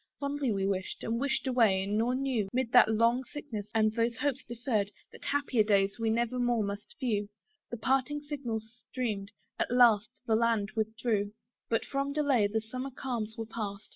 Fondly we wished, and wished away, nor knew, 'Mid that long sickness, and those hopes deferr'd, That happier days we never more must view: The parting signal streamed, at last the land withdrew, But from delay the summer calms were past.